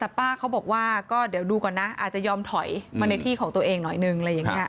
แต่ป้าเขาบอกว่าก็เดี๋ยวดูก่อนนะอาจจะยอมถอยมาในที่ของตัวเองหน่อยนึงอะไรอย่างนี้